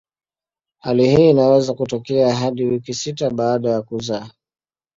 Hali hii inaweza kutokea hadi wiki sita baada ya kuzaa.